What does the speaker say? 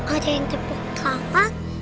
ada yang tepuk kawat